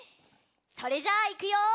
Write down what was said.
それじゃあいくよ！